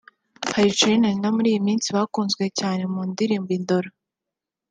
hari Charly & Nina muri iyi minsi bakunzwe cyane mu ndirimbo “Indoro”